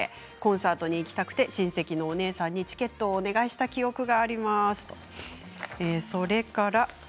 当時、私は小学生でコンサートに行きたくて親戚のお姉さんにチケットをお願いした記憶があります。